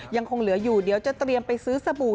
ยังคงเหลืออยู่เดี๋ยวจะเตรียมไปซื้อสบู่